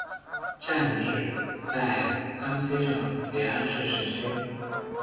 站址在江西省吉安市市区。